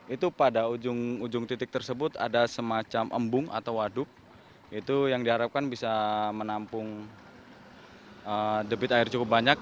itu pada ujung titik tersebut ada semacam embung atau waduk itu yang diharapkan bisa menampung debit air cukup banyak